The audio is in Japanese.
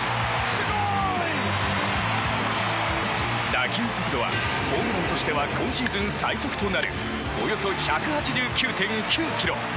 打球速度はホームランとしては今シーズン最速となるおよそ１８９．９キロ。